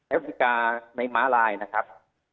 แอลติกาในมาลายนะครับ